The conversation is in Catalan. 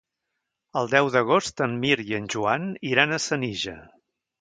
El deu d'agost en Mirt i en Joan iran a Senija.